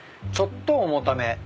ちょっと重ため。